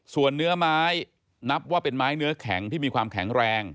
ส่วนเนื้อไม้นับว่าเป็นไม้เนื้อแข็งที่มีความแข็งแรง